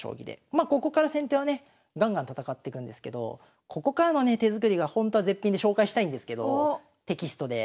まここから先手はねガンガン戦ってくんですけどここからのね手作りがほんとは絶品で紹介したいんですけどテキストで。